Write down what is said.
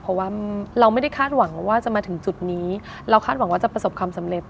เพราะว่าเราไม่ได้คาดหวังว่าจะมาถึงจุดนี้เราคาดหวังว่าจะประสบความสำเร็จ